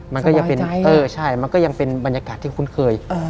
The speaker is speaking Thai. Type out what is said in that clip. มันก็ยังเป็นบรรยากาศที่คุ้นเคย